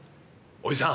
「おじさん？